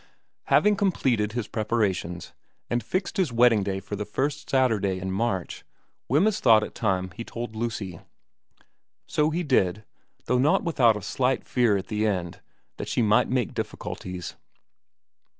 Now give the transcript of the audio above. Having completed his preparations, and fixed his wedding day for the first Saturday in March, Wemyss thought it time he told Lucy ; so he did, though not without a slight fear at the end that she might make difficulties.